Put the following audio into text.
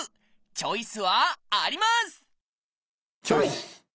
チョイス！